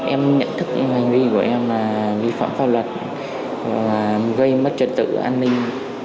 em nhận thức những hành vi của em là vi phạm pháp luật gây mất trật tự an ninh